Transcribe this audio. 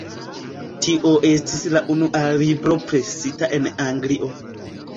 Tio estis la unua libro presita en Anglio.